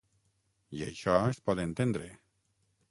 I això es pot entendre.